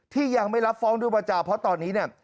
ที่ยังไม่รับฟ้องด้วยบัญจารณ์เพราะตอนนี้